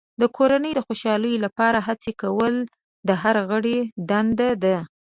د کورنۍ د خوشحالۍ لپاره هڅې کول د هر غړي دنده ده.